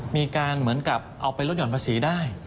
มีการเหมือนกับเอาไปลดหย่อนภาษีได้